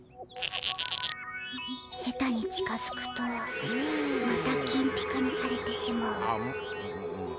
へたに近づくとまた金ピカにされてしまう。